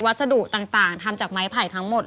วัสดุต่างจากไหมไผ่ทั้งหมด